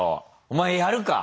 お前やるか？